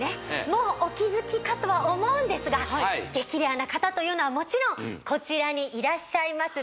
もうお気づきかとは思うんですが激レアな方というのはもちろんこちらにいらっしゃいます